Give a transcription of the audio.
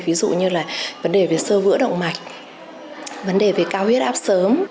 ví dụ như là vấn đề về sơ vữa động mạch vấn đề về cao huyết áp sớm